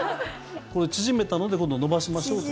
これ、縮めたので今度、伸ばしましょうと。